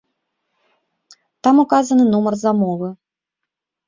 Там указаны нумар замовы.